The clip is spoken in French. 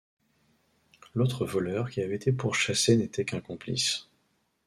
L'autre voleur qui avait été pourchassé n'était qu'un complice.